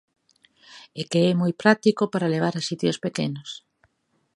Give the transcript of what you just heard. E que é moi práctico para levar a sitios pequenos.